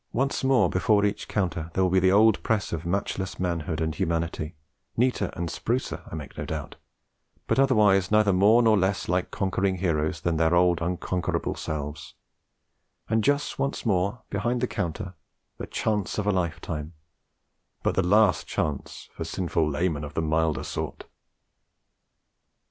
Once more before each counter there will be the old press of matchless manhood and humanity; neater and sprucer, I make no doubt, but otherwise neither more nor less like conquering heroes than their old unconquerable selves; and just once more, behind the counter, the chance of a lifetime, but the last chance, for 'sinful laymen' of the milder sort!